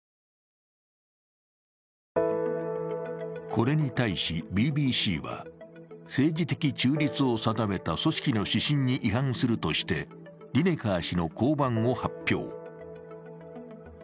これに対し、ＢＢＣは、政治的中立を定めた組織の指針に違反するとしてリネカー氏の降板を発表。